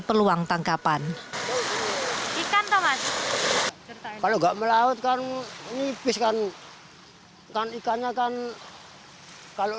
peluang tangkapan ikan thomas kalau enggak melautkan nipis kan kan ikannya kan kalau